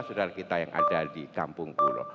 sudara kita yang ada di kampung pulau